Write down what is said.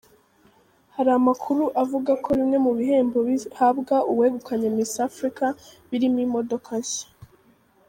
Hari amakuru avuga ko bimwe mu bihembo bihabwa uwegukanye Miss Africa birimo imodoka nshya.